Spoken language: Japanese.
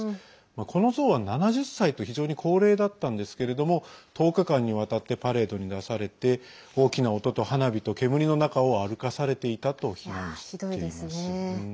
このゾウは７０歳と非常に高齢だったんですけれども１０日間にわたってパレードに出されて大きな音と花火と煙の中を歩かされていたと非難しています。